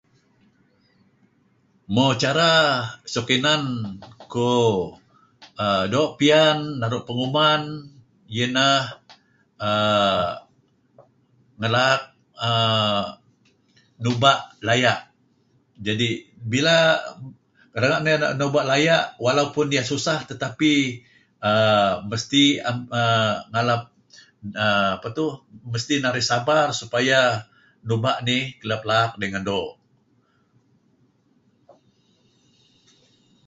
Mo cara suk inan kuh doo' piyan naru' penguman iyeh ineh uhm ngelaak uhm nuba' laya'. Jadi' bila renga' naru' nuba laya' walaupun iyeh susah tapi uhm mesti iyeh uhm ngalap uhm apa tu, mesti narih sabar pad iyeh nuba' nih laak dengan doo'.